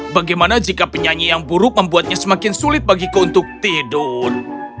bagaimana jika penyanyi yang buruk membuatnya semakin sulit bagiku untuk tidur